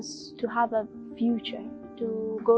saya merasa ada masa depannya